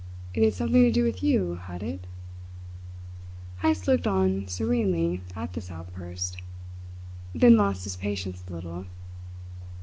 It had something to do with you, had it?" Heyst looked on serenely at this outburst, then lost his patience a little.